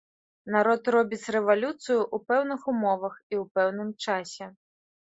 Народ робіць рэвалюцыю ў пэўных умовах і ў пэўным часе.